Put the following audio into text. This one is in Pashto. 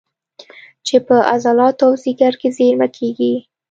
چې په عضلاتو او ځیګر کې زېرمه کېږي